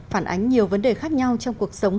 phản ánh nhiều vấn đề khác nhau trong cuộc sống